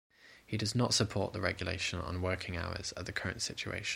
He does not support the regulation on working hours at the current situation.